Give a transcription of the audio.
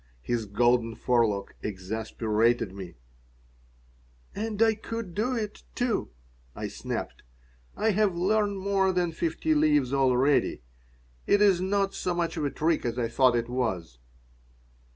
His golden forelock exasperated me "And I could do it, too," I snapped. "I have learned more than fifty leaves already. It is not so much of a trick as I thought it was."